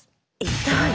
痛い！？